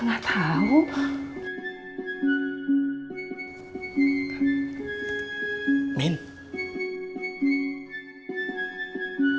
min kamu teh sedih kayak gitu mean apa